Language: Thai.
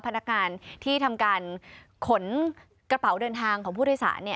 พนักงานที่ทำการขนกระเป๋าเดินทางของผู้โดยสาร